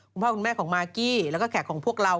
คุณพ่อคุณแม่ของมากกี้แล้วก็แขกของพวกเรา